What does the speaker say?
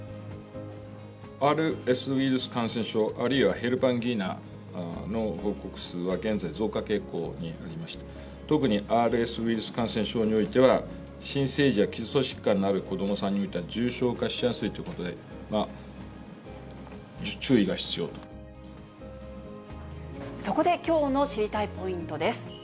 ＲＳウイルス感染症、あるいはヘルパンギーナの報告数は現在増加傾向にありまして、特にＲＳウイルス感染症においては、新生児や基礎疾患のある子どもさんにおいては重症化しやすいため、そこできょうの知りたいポイントです。